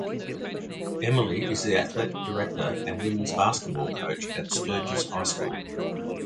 Emily is the Athletic Director and Women's basketball coach at Sturges High School.